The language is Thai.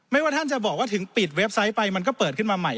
ว่าท่านจะบอกว่าถึงปิดเว็บไซต์ไปมันก็เปิดขึ้นมาใหม่